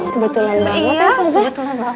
kebetulan banget ya ustazah